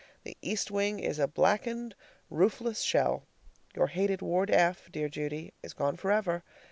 The east wing is a blackened, roofless shell. Your hated Ward F, dear Judy, is gone forever.